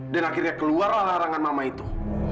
dan akhirnya keluarlah larangan mama itu